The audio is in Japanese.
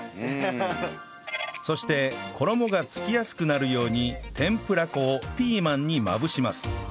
そして衣が付きやすくなるように天ぷら粉をピーマンにまぶします